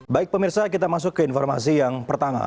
baik pemirsa kita masuk ke informasi yang pertama